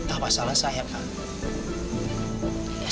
apa salah saya pak